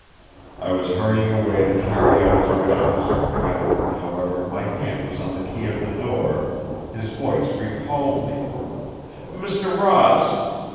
I was hurrying away to carry out his wishes; when, however, my hand was on the key of the door, his voice recalled me: "Mr. Ross!"